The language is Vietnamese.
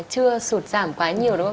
chưa sụt giảm quá nhiều đúng không